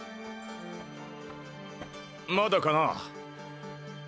まだかな。